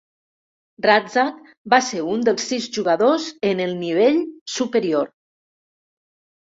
Razzak va ser un dels sis jugadors en el nivell superior.